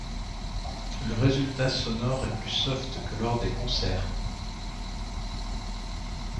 Le résultat sonore est plus soft que lors des concerts.